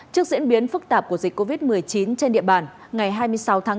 trước diễn biến phức tạp của dịch covid một mươi chín trên địa bàn ngày hai mươi sáu tháng bốn